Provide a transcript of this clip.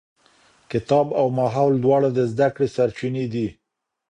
کتاب او ماحول دواړه د زده کړې سرچينې دي.